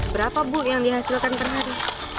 berapa bu yang dihasilkan per hari